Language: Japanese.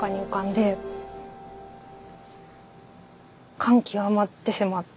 感極まってしまって。